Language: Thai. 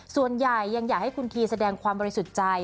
ส่วนใหญ่ยังอยากให้คุณทีแสดงความบริสุทธิ์ใจ